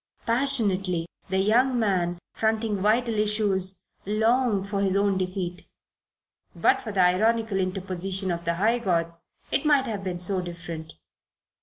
Passionately the young man, fronting vital issues, longed for his own defeat. But for the ironical interposition of the high gods, it might have been so different.